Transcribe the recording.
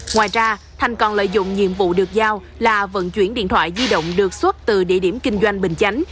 ngoài ra thành còn lợi dụng nhiệm vụ được giao là vận chuyển điện thoại di động được xuất từ địa điểm kinh doanh bình chánh